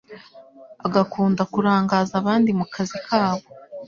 agakunda kurangaza abandi mukazi kabo